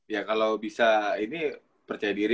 ya kalau bisa ini percaya diri